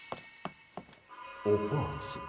お・パーツが。